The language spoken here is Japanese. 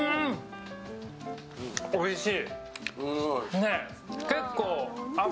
おいしい！